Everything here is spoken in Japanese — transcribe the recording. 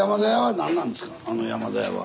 あの山田屋は。